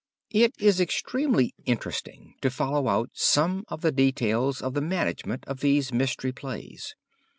It is extremely interesting to follow out some of the details of the management of these Mystery Plays.